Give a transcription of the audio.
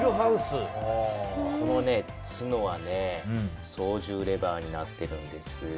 この角はそうじゅうレバーになってるんです。